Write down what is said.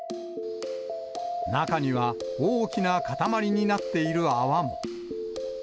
中には、大きな固まりになっている泡も。